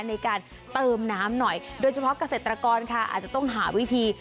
ในการเติมน้ำหน่อยโดยเฉพาะเกษตรกรค่ะอาจจะต้องหาวิธี